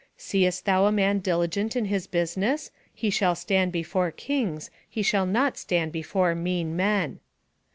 "Seest thou a man diligent in his business, he shall stand before kings, he shall not stand before mean men."